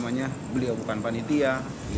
meskipun beliau bukan panitia